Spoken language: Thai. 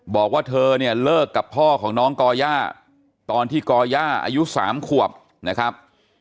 บอกว่าเธอเนี่ยเลิกกับพ่อของน้องก่อย่าตอนที่ก่อย่าอายุ๓ขวบนะครับ